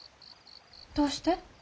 どうして？